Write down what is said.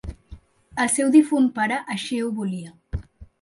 El seu difunt pare així ho volia.